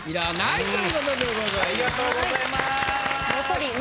ありがとうございます。